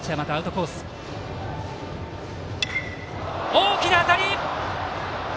大きな当たり！